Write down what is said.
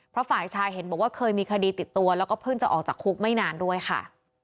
เพราะฝ่ายชายเห็นบอกว่าเคยมีคดีติดตัวแล้วก็เพิ่งจะออกจากคุกไม่นานด้วยค่ะ